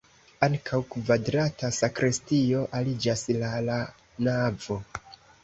Ankaŭ kvadrata sakristio aliĝas la la navo.